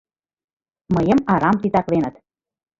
Мыйым арам титакленыт.